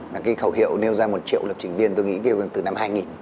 cái khẩu hiệu nêu ra một triệu lập trình viên tôi nghĩ kêu từ năm hai nghìn